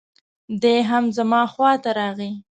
دی هم زما خواته راغی.